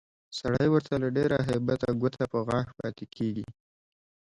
سړی ورته له ډېره هیبته ګوته په غاښ پاتې کېږي